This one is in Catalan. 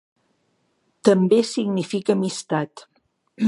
També significa amistat.